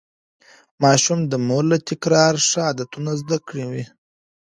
ماشوم د مور له تکرار ښه عادتونه زده کوي.